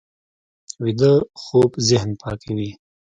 ویده خوب ذهن پاکوي